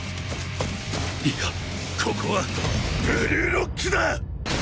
いやここはブルーロックだ！